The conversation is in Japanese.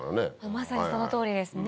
まさにその通りですね